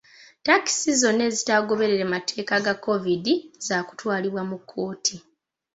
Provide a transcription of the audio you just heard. Takisi zonna ezitagoberera mateeka ga COVID zakutwalibwa mu kkooti.